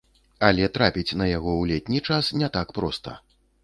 Але трапіць на яго ў летні час не так проста.